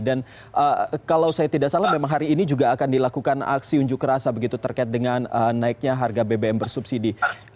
dan kalau saya tidak salah memang hari ini juga akan dilakukan aksi unjuk rasa terkait dengan naiknya harga bbm bersubsidi